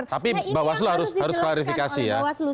tapi ini yang harus diperlakukan oleh bawaslu